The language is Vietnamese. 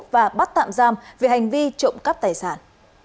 và bắt tạm giam về hành vi trộm cắp tài sản